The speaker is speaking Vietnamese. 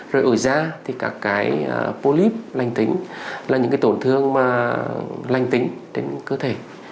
rồi ở da thì các cái polyp lành tính là những cái tổn thương mà lành tính trên cơ thể